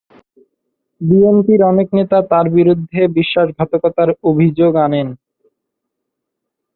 বিএনপির অনেক নেতা তার বিরুদ্ধে বিশ্বাসঘাতকতার অভিযোগ আনেন।